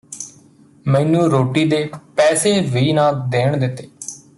ਮੈਨੂੰ ਰੋਟੀ ਦੇ ਪੈਸੇ ਵੀ ਨਾ ਦੇਣ ਦਿੱਤੇ